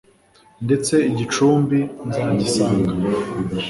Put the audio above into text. Ndetse igicumbi nzagisanga